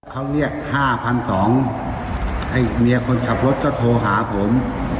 เขาเรียก๕๒๐๐ไอ้เมียคนขับรถก็โทรหาผม